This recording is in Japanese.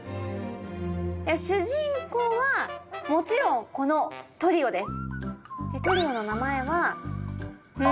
主人公はもちろんこのトリオです。